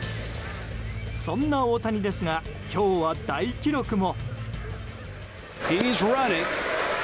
そんな大谷ですが今日は大記録も。